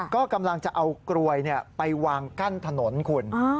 ก็กำลังจะเอากลวยไปวางกั้นถนนคุณ